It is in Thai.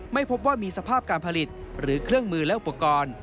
ไม่พบว่ามีสภาพการผลิตหรือเครื่องมือและอุปกรณ์